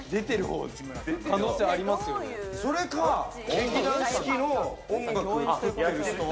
劇団四季の音楽を作ってる人。